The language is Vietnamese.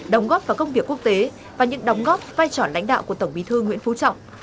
đồng góp vào công việc quốc tế và những đóng góp vai trò lãnh đạo của tổng bí thư nguyễn phú trọng